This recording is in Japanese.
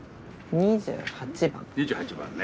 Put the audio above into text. ２８番ね。